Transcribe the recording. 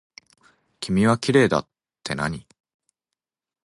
君はきれいだってなに。